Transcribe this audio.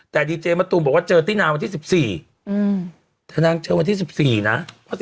แต่ดีเจมะตูมบอกว่าเจอตินาวันที่๑๔แต่นางเจอวันที่๑๔นะ